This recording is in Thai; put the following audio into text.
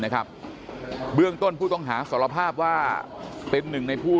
เบื้องต้นผู้ต้องหาสารภาพว่าเป็นหนึ่งในผู้